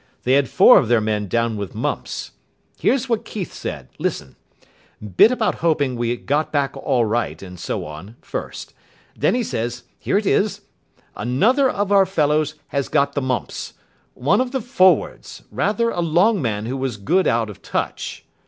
They had four of their men down with mumps. Here's what Keith says. Listen. Bit about hoping we got back all right, and so on, first. Then he says here it is, 'Another of our fellows has got the mumps. One of the forwards; rather a long man who was good out of touch.